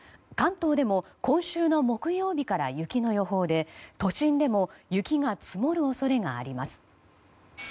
関東でも今週の木曜日から雪の予報で都心でも雪が積もる恐れがあります。